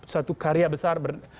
satu karya besar